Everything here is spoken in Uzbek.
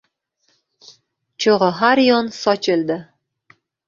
Cho’g’i har yon sochildi.